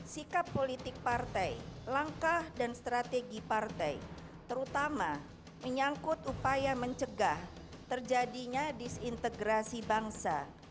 sikap politik partai langkah dan strategi partai terutama menyangkut upaya mencegah terjadinya disintegrasi bangsa